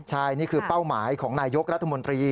ใช่นี่คือเป้าหมายของนายยกรัฐมนตรี